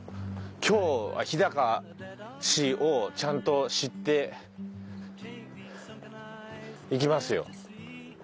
今日は日高市をちゃんと知っていきますよ。